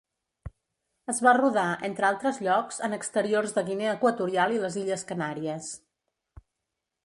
Es va rodar, entre altres llocs, en exteriors de Guinea Equatorial i les Illes Canàries.